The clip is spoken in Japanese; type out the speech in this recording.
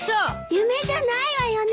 夢じゃないわよね。